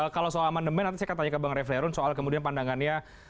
kalau soal amandemen nanti saya akan tanya ke bang reflerun soal kemudian pandangannya